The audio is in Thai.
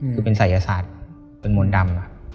คือเป็นศัยศาสตร์เป็นมนต์ดำ